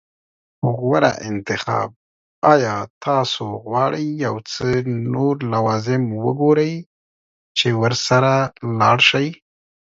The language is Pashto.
غوره انتخاب. ایا تاسو غواړئ یو څه نور لوازم وګورئ چې ورسره لاړ شئ؟